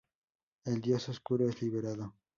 El dios oscuro es liberado.